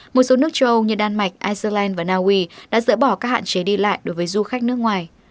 một số nước châu âu như đan mạch iceland và naui đã dỡ bỏ các hạn chế đi lại đối với du khách nước ngoài